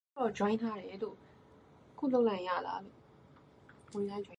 Finally, the "lace" dashiki suit includes a shirt made of lace.